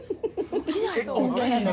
・起きないの？